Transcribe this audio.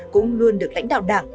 cũng luôn được lãnh đạo đảng